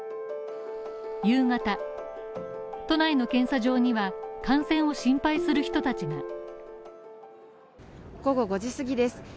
夕方、都内の検査場には、感染を心配する人たちが午後５時過ぎです。